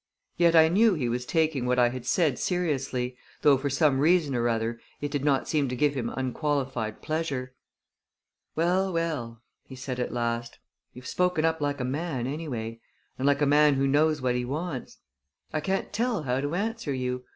Yet I knew he was taking what I had said seriously, though for some reason or other it did not seem to give him unqualified pleasure. "Well, well!" he said at last. "You've spoken up like a man, anyway and like a man who knows what he wants. I can't tell how to answer you.